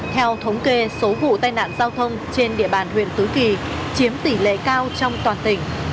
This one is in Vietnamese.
theo thống kê số vụ tai nạn giao thông trên địa bàn huyện tứ kỳ chiếm tỷ lệ cao trong toàn tỉnh